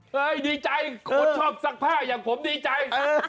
ดีใจคนชอบซักผ้าอย่างผมดีใจ